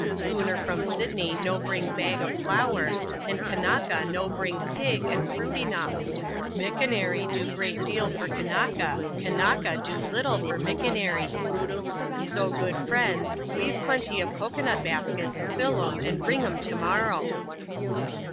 Schooner from Sydney no bring bag of flour ; and kannaka no bring pig and fruit enough. Mickonaree do great deal for kannaka ; kannaka do little for mickonaree. So, good friends, weave plenty of cocoa nut baskets, All *em, and bring *em to morrow."